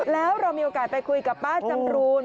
แล้วเรามีโอกาสไปคุยกับป้าจำรูน